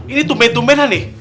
ini tumben tumbenan nih